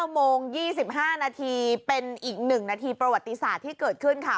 ๙โมง๒๕นาทีเป็นอีก๑นาทีประวัติศาสตร์ที่เกิดขึ้นค่ะ